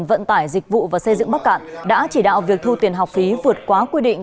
vận tải dịch vụ và xây dựng bắc cạn đã chỉ đạo việc thu tiền học phí vượt quá quy định